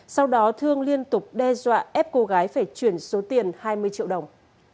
sau đó thương liên tục đe dọa ép cô gái phải chuyển số tiền hai mươi triệu đồng